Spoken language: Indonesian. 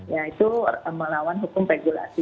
ya itu melawan hukum regulasi